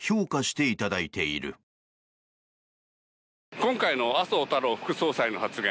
今回の麻生太郎副総裁の発言